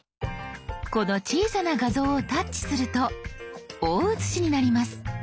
この小さな画像をタッチすると大写しになります。